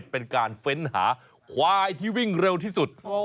เป็นการเฟ้นหาควายที่วิ่งเร็วที่สุด